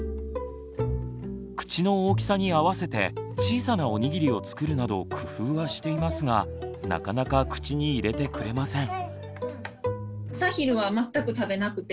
口の大きさに合わせて小さなおにぎりを作るなど工夫はしていますがなかなか口に入れてくれません。